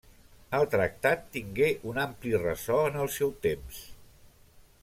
El tractat tingué un ampli ressò en el seu temps.